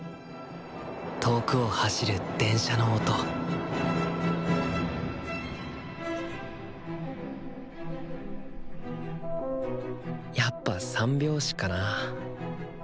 遠くを走る電車の音やっぱ３拍子かなあ